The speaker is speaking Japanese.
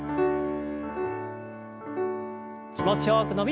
気持ちよく伸びをして。